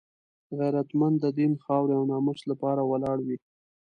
غیرتمند د دین، خاورې او ناموس لپاره ولاړ وي